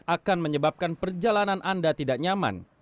akan menyebabkan perjalanan anda tidak nyaman